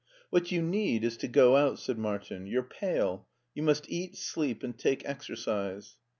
" What you need is to go out," said Martin ;" you're pale. You must eat, sleep, and take exercise."